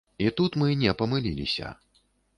І тут мы не памыліліся.